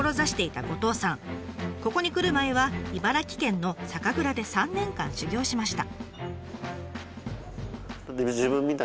ここに来る前は茨城県の酒蔵で３年間修業しました。